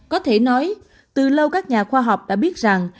có thể nói từ lâu các nhà khoa học đã biết rằng